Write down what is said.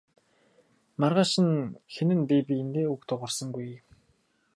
Маргааш нь хэн нь бие биедээ үг дуугарсангүй.